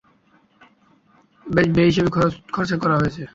বেশ বেহিসেবি খরচা করা হয়েছে!